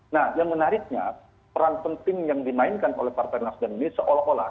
nah yang menariknya peran penting yang dimainkan oleh partai nas dan wili seolah olah